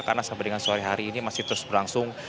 karena sampai dengan sore hari ini masih terus berlangsung